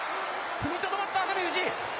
踏みとどまった、熱海富士。